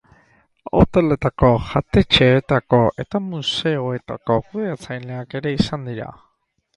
Hoteletako, jatetxeetako eta museoetako kudeatzaileak ere izan dira.